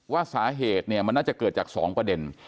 ว่าสาเหตุเนี่ยมันน่าจะเกิดจาก๒ประเด็น